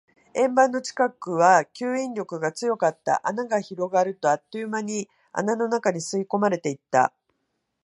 円盤の近くは吸引力が強かった。穴が広がると、あっという間に穴の中に吸い込まれていった。